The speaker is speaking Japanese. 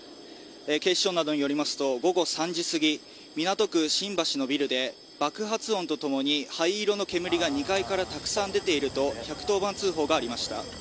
警視庁などによりますと午後３時過ぎ、港区新橋のビルで爆発音と共に灰色の煙が２階からたくさん出ていると１１０番通報がありました。